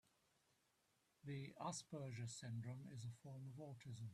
The Asperger syndrome is a form of autism.